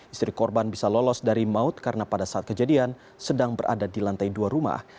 istri korban bisa lolos dari maut karena pada saat kejadian sedang berada di lantai dua rumah